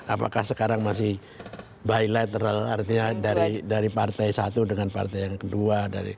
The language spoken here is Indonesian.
apakah sekarang masih bilateral artinya dari partai satu dengan partai yang kedua